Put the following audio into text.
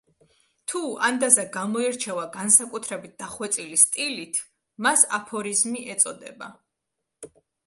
თუ ანდაზა გამოირჩევა განსაკუთრებით დახვეწილი სტილით, მას „აფორიზმი“ ეწოდება.